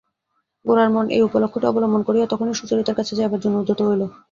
গোরার মন এই উপলক্ষটি অবলম্বন করিয়া তখনই সুচরিতার কাছে যাইবার জন্য উদ্যত হইল।